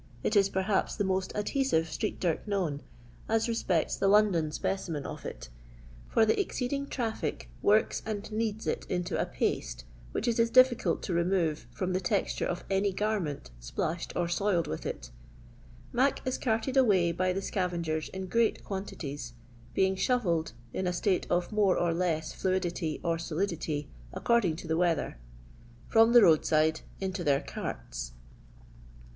It If, perhaps, the most adhesive street dirt known, M respects the London specimen of it; for the exceeding traffic works and kneads it into a paste which it is difficult to remove from the texture of any garment splashed or soiled with it " Mae * is carted away by the scavengers in great fjoantities, being shovelled, in a state of more or less fluidity or solidity, according to the weather, from the road side into their carts.